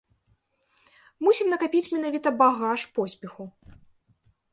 Мусім накапіць менавіта багаж поспеху.